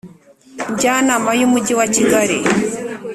Njyanama y Umujyi wa Kigali